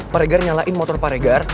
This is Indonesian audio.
pak regar nyalain motor pak regar